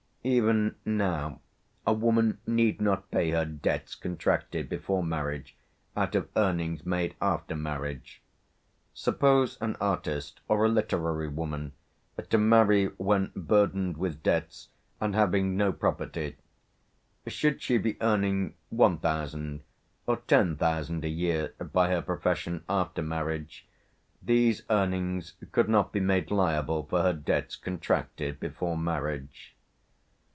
Even now a woman need not pay her debts contracted before marriage out of earnings made after marriage. Suppos an artist or a literary woman to marry when burdened with debts and having no property; should she be earning £1,000 or £10,000 a year by her profession after marriage, these earnings could not be made liable for her debts contracted before marriage."